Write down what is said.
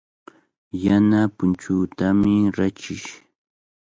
Yana punchuutami rachish.